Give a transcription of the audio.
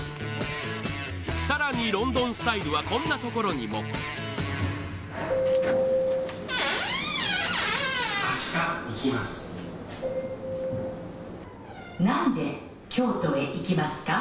さらにロンドンスタイルはこんなところにも「明日行きます」。